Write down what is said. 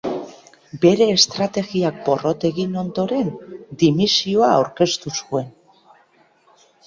Bere estrategiak porrot egin ondoren, dimisioa aurkeztu zuen.